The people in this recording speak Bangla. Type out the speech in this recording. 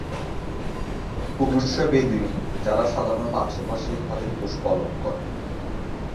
পুরুষরা বেদুইন, যারা সাধারণত আশেপাশে তাদের পশু পালন করে।